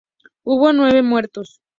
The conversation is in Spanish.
Hubo nueve muertos.